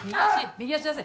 右足出せ。